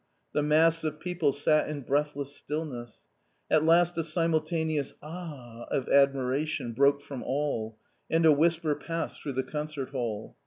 The mass of people sat in breath less stillness. At last a simultaneous "Ah !" of admiration broke from all, and a whisper passed through the concert hall.